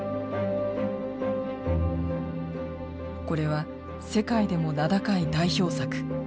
これは世界でも名高い代表作